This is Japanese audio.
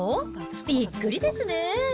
びっくりですね。